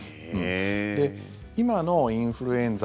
今のインフルエンザ